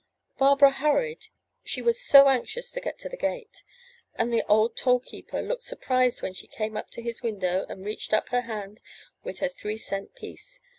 Barbara hurried, she was so anxious to get to the gate, and the old toll keeper looked surprised when she came up to his window and reached up her hand with the three cent piece.